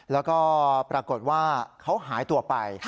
แล้วก็ปรากฏว่าเขาหายตัวไป